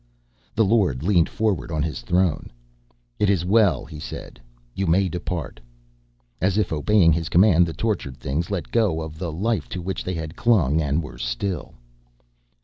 The Lord leaned forward on his throne. "It is well," he said. "You may depart." As if obeying his command, the tortured things let go of the life to which they had clung and were still.